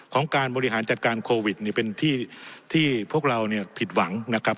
การบริหารจัดการโควิดเป็นที่พวกเราเนี่ยผิดหวังนะครับ